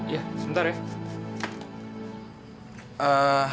iya sebentar ya